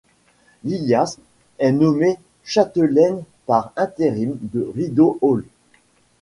Lilias est nommée châtelaine par intérim de Rideau Hall.